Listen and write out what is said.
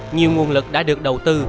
nhiều nguồn lực đã được đầu tư